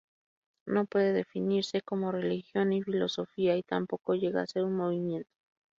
No puede definirse como religión ni filosofía, y tampoco llega a ser un movimiento.